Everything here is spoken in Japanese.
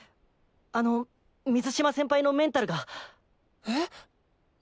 あの水嶋先輩のメンタルが。えっ！？